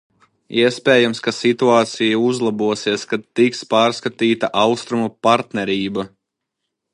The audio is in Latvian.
Iespējams, ka situācija uzlabosies, kad tiks pārskatīta Austrumu partnerība.